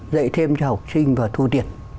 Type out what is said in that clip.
dạy thêm cho học sinh và thu tiền